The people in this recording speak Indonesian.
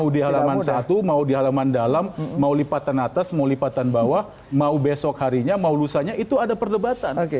mau di halaman satu mau di halaman dalam mau lipatan atas mau lipatan bawah mau besok harinya mau lusanya itu ada perdebatan